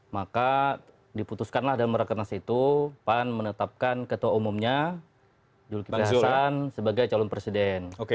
maka diputuskanlah dan merakernas itu pan menetapkan ketua umumnya julki pihasan sebagai calon presiden